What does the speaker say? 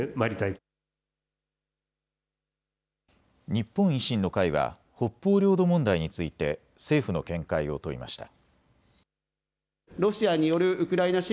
日本維新の会は北方領土問題について政府の見解を問いました。